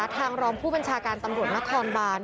ทางรองผู้บัญชาการตำรวจนครบาน